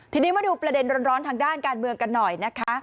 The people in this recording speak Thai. ทีนี้มาดูประเด็นร้อนทางด้านการเมืองกันหน่อยนะคะ